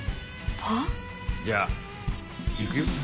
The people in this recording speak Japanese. じゃあ行くよ。